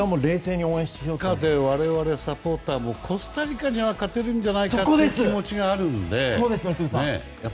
我々、サポーターもコスタリカには勝てるんじゃないかという気持ちがあるので。